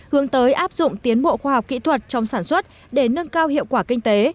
hướng tới áp dụng tiến bộ khoa học kỹ thuật trong sản xuất để nâng cao hiệu quả kinh tế